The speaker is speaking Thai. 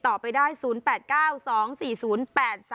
เมนูที่สุดยอด